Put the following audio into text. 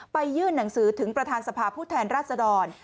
ยื่นหนังสือถึงประธานสภาพผู้แทนราชดร